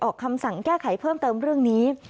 คำสั่งแก้ไขเพิ่มเติมเรื่องนี้